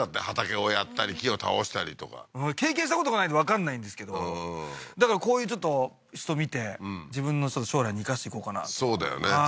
畑をやったり木を倒したりとか経験したことがないんでわかんないんですけどだからこういう人を見て自分の将来に生かしていこうかなそうだよね